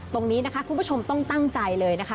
ตรงนี้นะคะคุณผู้ชมต้องตั้งใจเลยนะคะ